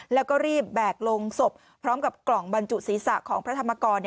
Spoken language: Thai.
แล้วก็รีบแบกลงศพพร้อมกับกล่องบรรจุศีรษะของพระธรรมกร